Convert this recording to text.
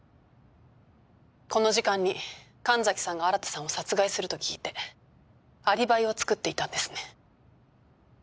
この時間に神崎さんが新さんを殺害すると聞いてアリバイをつくっていたんですね。